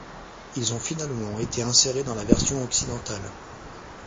Ils ont finalement été insérés dans la version occidentale.